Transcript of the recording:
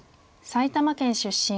埼玉県出身。